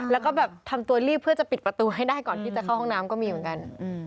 แล้วก็แบบทำตัวรีบเพื่อจะปิดประตูให้ได้ก่อนที่จะเข้าห้องน้ำก็มีเหมือนกัน